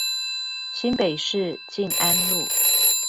新北市靜安路